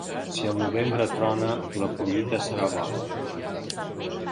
Si al novembre trona, la collita serà bona.